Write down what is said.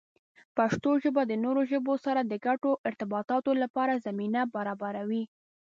پښتو ژبه د نورو ژبو سره د ګډو ارتباطاتو لپاره زمینه برابروي.